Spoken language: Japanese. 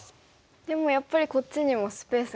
でもやっぱりこっちにもスペースがあるので。